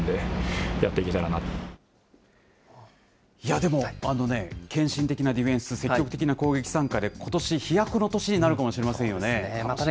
でも、献身的なディフェンス、積極的な攻撃参加で、ことし、飛躍の年になるかもしれませんよね。